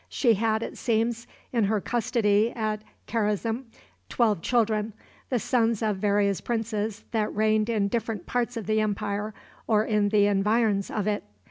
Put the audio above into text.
She had, it seems, in her custody at Karazm twelve children, the sons of various princes that reigned in different parts of the empire or in the environs of it.